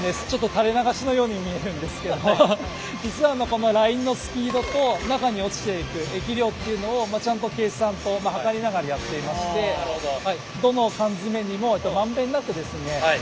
垂れ流しのように見えるんですけど実はこのラインのスピードと中に落ちていく液量っていうのをちゃんと計算と測りながらやっていましてどの缶詰にも満遍なく入るように。